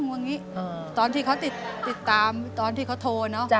แบบงี้อ่าตอนที่เขาติดตามตอนที่เขาโทรเนอะจ้ะ